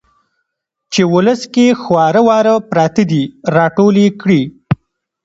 چې ولس کې خواره واره پراته دي را ټول يې کړي.